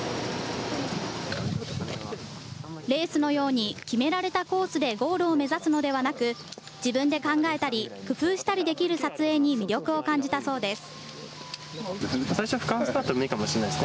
レースのように決められたコースでゴールを目指すのではなく、自分で考えたり、工夫したりできる撮影に、魅力を感じたそうです。